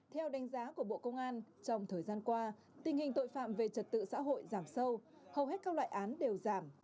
theo đánh giá của bộ công an trong thời gian qua tình hình tội phạm về trật tự xã hội giảm sâu hầu hết các loại án đều giảm